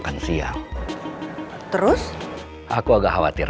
kamu baru saja datang ke kantor